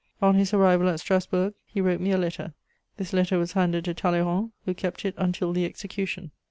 On his arrival at Strasburg, he wrote me a letter; this letter was handed to Talleyrand, who kept it until the execution."